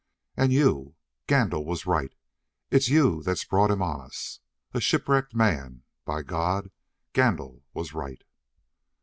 And you Gandil was right it's you that's brought him on us. A shipwrecked man by God, Gandil was right!"